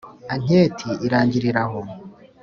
anketi irangirira aho!